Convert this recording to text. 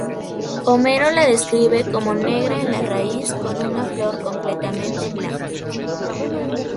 Homero la describe como negra en la raíz con una flor completamente blanca.